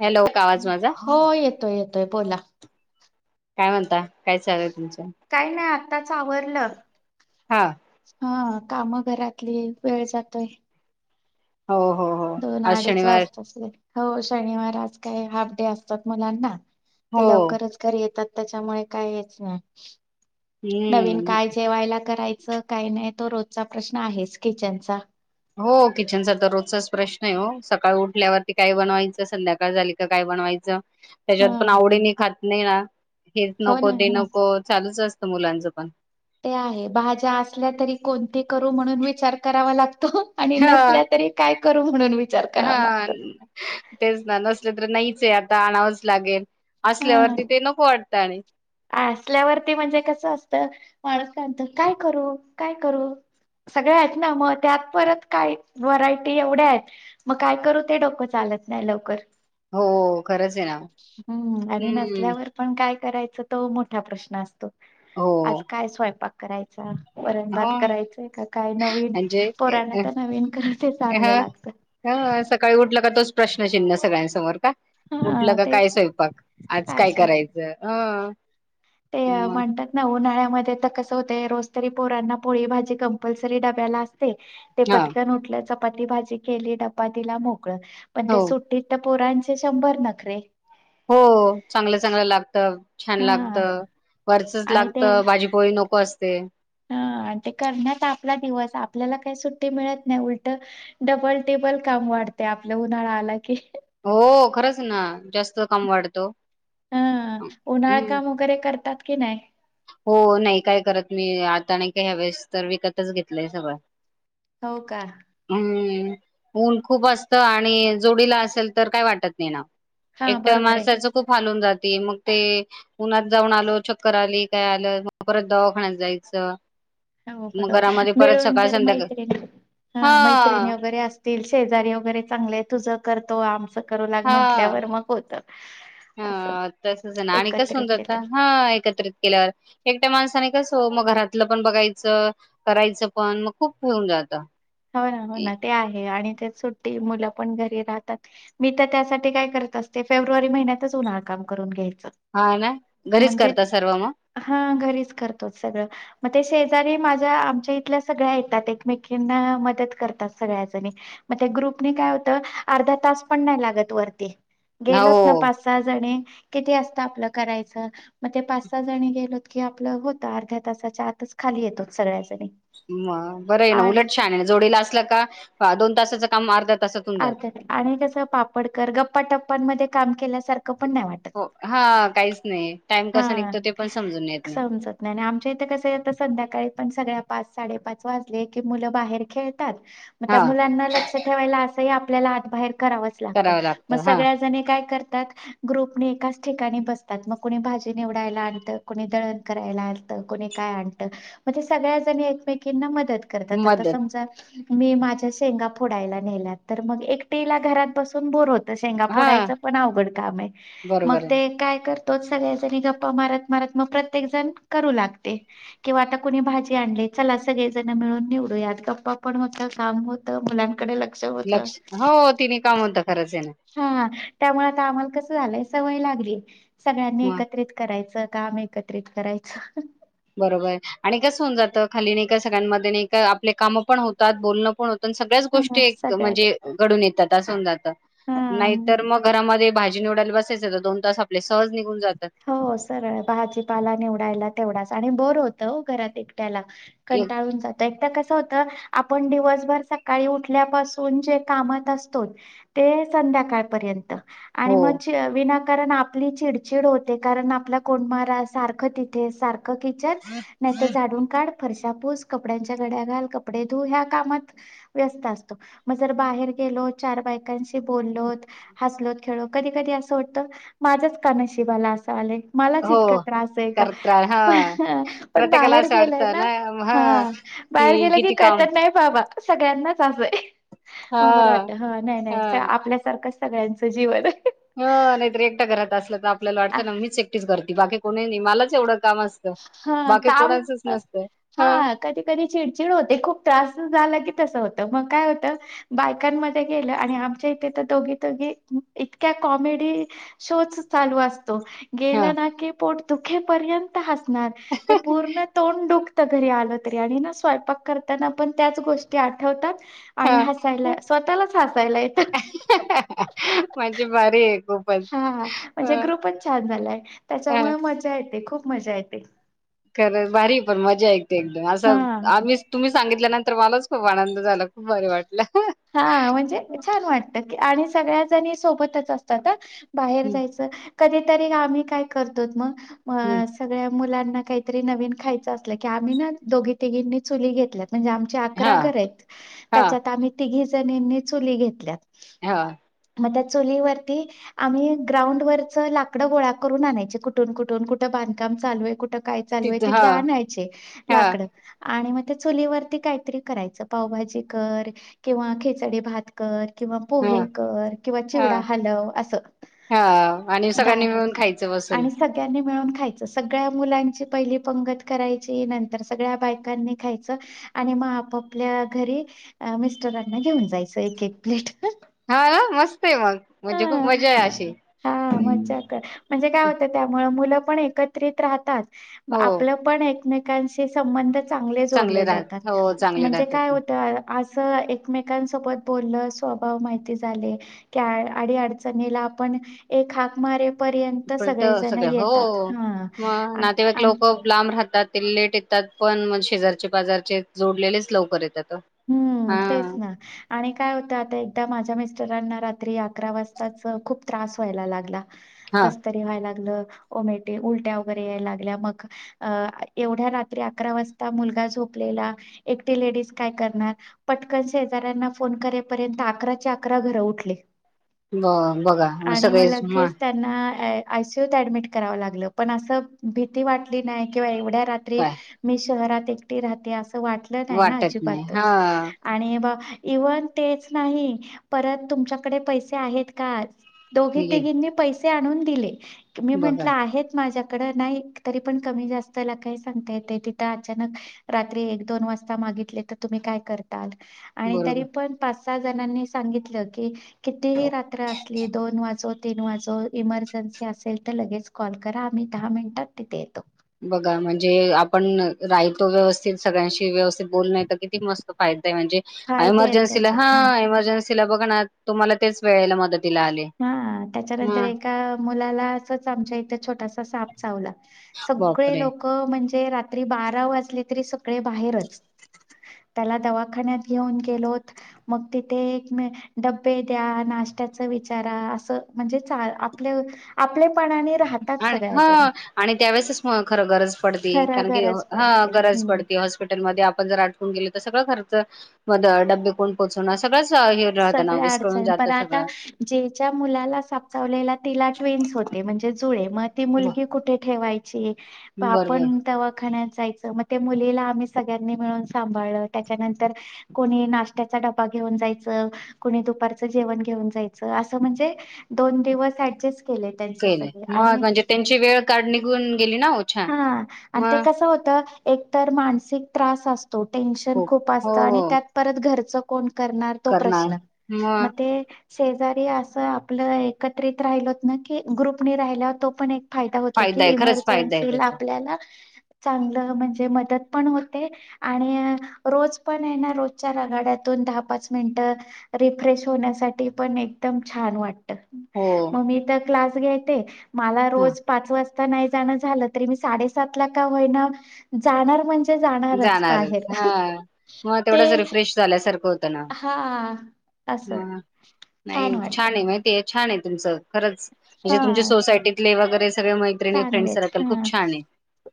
Hello का आवाज माझा य पला काय म्हणता काय चालूय तुमचं कायना आता सावरलं हा हा कामं घरातली वेळ जातोय हो हो हो दोन आज अडीच शनिवार वाजता अस हो शनिवार आज काय हाफ डे असतात मुलांना हो ते लवकरच घरी येतात त्याच्यामुळे काही हेच नाही नवीन हम्म काय जेवायला करायच काही नाही तो रोजचा प्रश्न आहेच किचनचा हो किचनचा तर रोजचाच प्रश्न आहे हो सकाळ उठल्यावरती काय बनवायचं संध्याकाळ झाली का काय बनवायचं हा त्याच्यात पण आवडी नाही खात नाही ना हेच हो नको ना ते ह नको चालूच असत मुलांचं पण ते आहे भाज्या असल्या तरी कोणती करू म्हणून विचार करावा लागत आणि हा नसल्या तरी काय करू म्हणून विचार हा करावा लागतो. तेच नन अससल्र न आता आणावंच लागेल, हा असल्यावरती ते नको वाटतं आणि असल्यावरती म्हणजे कस अस तर माणूस काय म्हणतो, काय करू? काय करू? सगळे आहेत ना मग त्यात परत काय व्हरायटी एवढ्या आहेत मग काय करू ते डोकं चालत नाही लवकर. हो. खरंच आहे ना हम्म आणि हम्म नसल्यावर पण काय करायच तो मोठा प्रश्न असतो. हो आज काय स्वयंपाक करायचा. वरण भात हो करायचंय का काय नवीन म्हणजे पोरांना तर नवीन करा ते ह चांगलं लागत. ह सकाळी उठलं का तोच प्रश्नचिन्ह सगळ्यांसमोर का उठलं हा का काय तेच स्वयंपाक आज काय करायचं? ह. ते म्हणतात ना उन्हाळ्या तर कस होते रोज तरी पोरांना पोळी भाजी कंपलसरी डब्याला असते. ते हा पटकन उटल्या पाती भाजी केली डबा दिला मोक कळ पण हो ते सुट्टी पोरांचे शंभर नखरे हो चांगलं चांगलं लागत. छान लागत हा वरचच आणि लागत ते भाजी पोळी नको असत. ते. हा आणि ते करण्यात आपला दिवस आपल्याला काही सुट्टी मिळत नाही उलट डबल टिब्बल काम वाढते आपलं उन्हाळा आला की हो. खरंच ना. जास्त काम वाढतो. हा उन्हाळ हम्म काम वगैरे करतात. की नाही. हो नाही काय करत मी, आता नाही काही ह्यावेळेस तर विकतच घेतलंय सगळं. हो का. हम्म ऊन खूप असत आणि जोडीला असेल तर काय वाटत नाही ना. हा एकट्या बरोबर आहे. माणसाचं खूप हाल होऊन जात. ते मग ते उन्हात जाऊन आलो चक्कर आली काय आलं मग परत दवाखान्यात जायचं. हो मग बरोबर. घरामध्ये परत मिळून सकाळ जर संध्याकाळ मैत्रिणी ह हा मैत्रिणी वगैरे असतील शेजारी वगैरे चांगले तुझ. करतो आमच हा असं हा. तसच ना. आणि कस होन एकत्रित जात केलं हा एकत्रित केल्यावर एकट्या माणसाने कस हो मग घरातलं पण बघायचं करायचं पण मग खूप होऊन जातं. हो ना हो ना ते आहे आणि ते सुट्टी मुलं पण घरी राहतात मी तर त्यासाठी काय करत असते फेब्रुवारी महिन्यातच उन्हाळ काम करून घ्याय च हा ना घरीच म्हणजे करता सर्व मग हा घरीच करतो सगळं मग ते से तरी माझ्या आमच्या इथल्या सगळ्या येतात एकमेकीना मदत करतात सगळ्याजणी म त्या ग्रुप काय होत अर्धा तास पण नाही लागत वरती गेलोत ना हो पाच सहा जणे किती असतं आपलं करायच मग ते पाच सहा जणी गेलोत की आपलं होत अर्ध्या तासाच्या आतच खाली येतो सगळ्याजणी. म बरं आहे ना आण उलट छान आहे जोडीला असला का दोन तासाचा काम अर्ध्या तासात होऊन जातं अर्थ्यात आणि कसं पापडकर गप्पाटप्पानंमध्ये काम केल्यासार खं पण नाही वाटत हो हा काहीच नाही टाइम हा कसा निघतो ते पण समजून येत नाही समजत नाही ना आमच्या इथं कसं आहे संध्याकाळी पण सगळ्या पाच साडेपाच वाजले की मुलं बाहेर खेळ तात म हा त्या मुलांना लक्ष ठेवायला अस तरी आपल्याला आत बाहेर करावच लागतं करावं मग हा सगळ्या जणी काय कर तात ग्रुपनी एकाच ठिकाणी बसतात म कुणी भाजी निवडायला आणतं, कुणी दळण करायला आणतं, कुणी काय आणतं म ते सगळ्या जणे एकमेकींना म दत करतात आता मदत समजा मी माझ्या शेंगा फोडायला नेल्यात तर मग एकटीला घरात बसून बोर हो तर शेंगा हा फोडायचा पण अवघड काम आहे मग बरोबर ते आहे काय क तोच सगळेजणी गप्पा मारत-मारत मग प्रत्येक जण करू लागते किंवा आता कुणी भाजी आणली चला सगळेजण मिळून निवडू यात गप्पा पण होतं काम होतं मुलांकडे लक्ष होतं. लक्ष हो तिने काम होतं खरंच येणार हा त्यामुळे आता आम्हाला कसं झालंय सवय लागली सगळ्यांनी मग एकत्रित करायचं काम एकत्रित करायचं. बरोबर आहे. आणि कसं होऊन जातं खाली नाही का सगळ्यांमध्ये नाही का आपले काम पण होतात बोलणं पण हो पण सगळ्याच गोष्टी हा, एक सगळ्याच महणजे गडून येतात. तसं होऊन जात हा नाहीतर मग घरामध्ये भाजी, नूडल [unintelligible] दोन तास आपले सहज निघून जातात हो सरळ भाजीपाला निवडायला तेवढाच आणि बोर होतं घरात एक ट्याला एक कंटाळून जातं एक तर कसं तर आपण दिवसभर सकाळी उठल्यापासून जे कामात असतो ते संध्याकाळपर्यंत आणि हो म च विना ण आपली चिड ड होते कारण आपला कों मार सारखं तिथे सार किच नाहीर झाडून काढ फरशापूस कपड्यांच्या गड्या घाल कपडे धू ह्या कामात व्यस्त असतो मग जर बाहेर गेलो चार बायकांशी बोललोत हसलोत खेळो कधी कधी असं वाटत माझ का नशिबाला असं आले मलाच हो इतका त्रास आहे का करता हा पण प्रत्येकाला बाहेर असं गेलं वाटतं ना हा बाहेर कि गेलं की किती काम कळत नाही बाबा सगळ्यांनाच असंय म बरं हां, वाटत ह नाही नाही आपल्यासारखं सगळ्यांचं जीवन ह नाहीतर एकट्या घरात असलं तर आपल्याला वाटतं ना मीच एकटी करते बाकी कोणी नाही मला तेवढ हा काम नसतं. हां, हा कधी कधी चिडचिड होते खूप त्रास झाला की तस होत मग काय होत बायकांमध्ये गेलं आणि आमच्या इथे तर दोघी तिघी इतक्या कॉमेडी शो चालू असत गेल हां, ना की मग दुःखेपर्यंत हस्ते पूर्ण तोंड दु घरी आलं तरी आणि ना स्वयंपाक करताना पण त्याच गोष्टी आठवतात आणि हां. हसायला स्वतःलाच हसायला येत म्हणजे भारी आहे खूपच. हा म्हणजे हां, ग्रुप पण छान झालाय हां. त्याच्यामुळे मजा येते खूप मजा येते खर भारी ये पण मजा य एक असं हा आम् तुम्ही सांगितलं ना तर मलाच खूप आनंद झाला खूप भारी वाटलं हा म्हणजे छान वाटत की आणि सगळ्याजणी सोबतच असतात ना बाहेर हं, जायचं कधीतरी आम्ही काय करतो मग हं. अ सगळ्या मुलां काहीतरी नवीन खायच असल की आम्ही ना दोघी तिघींनी चुली घेतल्यात म्हणजे आमचे अकरा हां, घर आहेत हां, त्याच्यात आम् तिघी जणींनी चुली घेतल्यात हा मग त्या चोलीवरती आम्ही ग्राउंड वरच लाकडं गोळा करून आणायची कुठून कुठून कुठे बांधकाम चालू आहे कुठं काय चालू आहे तिथं तिथे हां, आणायचे हां, लाकड आणि मग त्या चुलीवरती काहीतरी करायचं पावभाजी कर किंवा खीचडी भात कर किंवा हां, पोहे कर किंवा चिवडा हां, हलव अस हां आणि सगळ्यांनी दारात मिळून खायचं बसून. आणि सगळ्यांनी मिळून खायचं सगळ्या मुलांची पहिली पंगत करायची नंतर सगळ्या बायकांनी खायच आणि मग आपापल्या घरी घेऊन जायचं एक एक प्लेट हा मस्त आहे मग म्हणजे खूप ह मजा आहे अशी हा मजा कर म्हणजे काय होतं त्यामुळे मुलं पण एकत्रित राहतात हो आपलं पण एकमे संबंध चग जोड चांगले राहत जातात हो चांगले म्हणजे राहतात काय ना होत अस एकमेकांसोबत बोललं स्वभाव माहिती झाले त्या अडी अडचणीला आपण एक हाक मारे पण तर सगळं हो हा मग आ- नातेवाईक आ- लोक लांब राहतात ते लेट येतात पण म शेजारचे बाजारचे जोडलेलेच लवकर येतात हम्म हा तेच ना आणि काय होतं आता एकदा माझ्या म रांना रात्री अकरा वाजताच खूप त्रास व्हायला लागला हा कसतरी व्हायला लागलं उलट्या वगैरे यागल्या मग एव्याद्या रात अकरा वाजता मुलागा गोपलेला एकटी ले काय करणार पटकन शेजऱ्यांना फोन करेपर्यंत अकरा अकरा घर उठले ब बघा सगळेच म लगेच त्यांना आयसीयूत ऍडमिट कराव लागलं पण भीती वाटली नाही किंवा रात्री काय मी शहरात एकटी राते अस तर वाटलं नाय ना वाटत नाही च हा आणि इव्हन तेच नाही परत तुमच्याकडे पैसे आहेत का दोघी ये तिघीं पैसे आणून दिले मी म्हंटलं बघा आहे माझ्या नाही तरी पण कमी जास्त का सांगता येत तिथं अचानक रात्री एक दोन वाजता मागितले तर तुम्ही काय कर बरोबर तरी पण काही जणांनी सांगितलं की कितीही रात्र असली दोन वाजू तीन वाजो इमर्जन्सी असेल तर लगेच कॉल करा आम्ही दहा मिनिटात तिथे येतो बघा म्हणजे आपण राहतो व्यवस्थित सगळ्यांशी व्यवस्थित ब किती मस्त फायदा म्हणजे फायदे आहेत एमर्जन्सीला त्याचे हा मन्स बघ तुम्हाला तेच वेळेला म मदतीला आले हा त्याच्यानंतर एका मुलाला असच आमच्या इथे छोटासा साप चावला सगळे बापरे लोक म्हणजे बारा वा तरी सगळे बाहेर त्या दवाखान्या घेऊन गेलो मग तिथे बे द्या विचारा अस म्हणजे आप आप आणि ह आणि त्यावेेळेसच हो खं गरज पड खर कारण की गरज हा पडते गरज हम्म पडते हॉस्पिटल मध्ये आपण जर खर्च बेो सगळ्या अडचण पण आता ज्याच्या मुलाला सापचावलेला तिला ट्वेन्स होते म्हणजे जुळे मग ती ब- मुलगी कुठे हेवाय बरोबर आपण दवाखान्या मग ते मुलीला आम्ही सगळ्यांनी मिळून सांभाळ त्याच्यानंतर कोणी नाशत्याचा डबा घेऊन जायच दुप जेवण घेऊन जाच अस म्हणजे दोन दिव य मग म्हणजे त्यांची वेळ काढ बोण हा आणि ते कसं होत एक तर मानसिक त्रास असतो तो टेन्शन खूप हो असत आणि हो त्यात परत घरच कोण करणार तो प्रश्न मग ते शेजारी असं आपलं एकत्रित राहिल होत ना की ग्रुपनी राहिला तो पण फायदा होतो की आहे खरंच फायदा आहे इमर्जन्सी त्याचा. आपल्याला चांगलं म्हणजे मदत पण होते आणि रोज पण आहे ना रोजच्या रगाड्यातून दहा पाच मिनटं रिफ्रेश होण्यासाठी पण एकदम छान वाटते हो. ममी तर क्लास ग इ ते मला हा रोज पाच वाजता ता नाही जाणं झालं तर मी साडे सातला काम आवरणार जाणार म्हण जाणारच हा मग ते तेवढंच रिफ्रेश झाल्यासारखं होत ना हा असं नाही छान आहे माहि छान आहे तुमचं खरंच म्हणजे हा तुमच्या सोसायटीतले वगैरे मै्र फ्रेंड चांगलेत सर्कल खूप हा छ आहे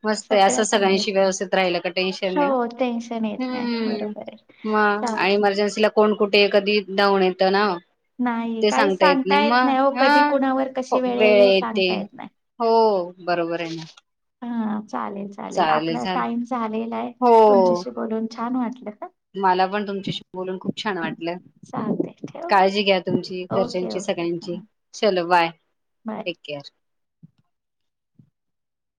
मत असं सगळ्या चांगल्यात. सगळ्यांशी व्यवस्थित राहि हो टेन्शन येत नाही हम्म बरोबर आहे चाल इमर्जेन्सी ला कोण कुठे येत्या जाऊन येतं ना नाही काही सांगता येत नाही हो कधी कुणावर कशी वेळ येईल हे सांगता येत नाही हो बरोबर आहे ना हा चालेल चालेल आपला टाइम झालेला आहे हो तुमच्याशी बोलून छान वाटलं मला पण तुमच्याशी बोलून खूप छान वाटलं चालतंय ठेव काळजी घ्या तुमची ओके घरच्यांची ओके हा सगळ्यांची ठीक चल बाय बाय. Take care